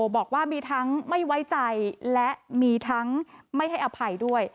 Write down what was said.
บอกว่ามีทั้งไม่ไว้ใจและมีทั้งไม่ให้อภัยด้วย